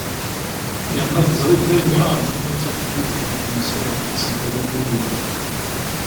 Yerna teẓriḍ d ayen yuɛren akken ad tafeḍ yiwet ad ak-d-temmeslay ɣef isental a wiyi.